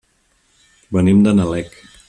Venim de Nalec.